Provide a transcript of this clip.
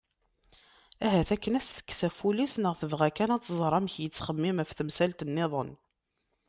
Ahat akken ad as-tekkes ɣef wul-is neɣ tebɣa kan ad tẓer amek yettxemmim ɣef temsal-nniḍen.